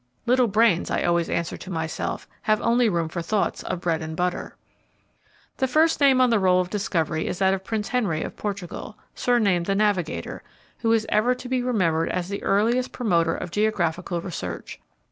Little brains, I always answer to myself, have only room for thoughts of bread and butter. The first name on the roll of discovery is that of Prince Henry of Portugal, surnamed the Navigator, who is ever to be remembered as the earliest promoter of geographical research.